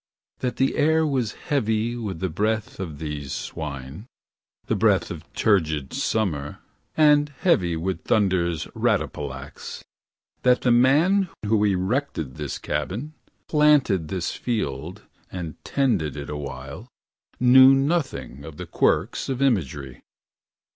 That the air was heavy with the breath of these swine. The breath of turgid summer, and Heavy with thunder's rattapallax. That the man who erected this cabin, planted This field, and tended it awhile. Knew not the quirks of imagery.